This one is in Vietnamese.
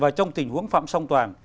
và trong tình huống phạm song toàn